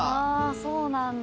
そうなんだ。